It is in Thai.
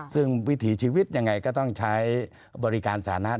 ซึ่งวิถีชีวิตยังไงก็ต้องใช้บริการสาธารณะ